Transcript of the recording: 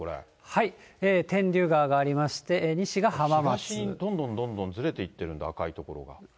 天竜川がありまして、西が浜東にどんどんどんどんずれていってるんだ、赤い所が。